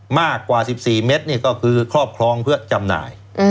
มากกว่า๑๔เมตรก็คือครอบครองเพื่อจำหน่าย